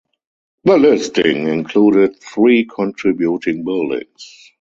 The listing included three contributing buildings.